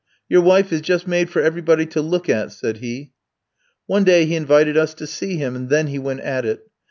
'Your wife is just made for everybody to look at,' said he. "One day he invited us to see him, and then he went at it.